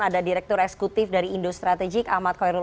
ada direktur eksekutif dari indo strategik ahmad koirul umar